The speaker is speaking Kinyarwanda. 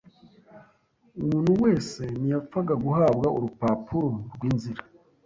Umuntu wese ntiyapfaga guhabwa urupapuro rw’inzira